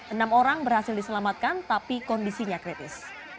enam orang berhasil diselamatkan tapi kondisinya kritis